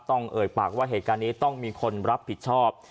เอ่ยปากว่าเหตุการณ์นี้ต้องมีคนรับผิดชอบ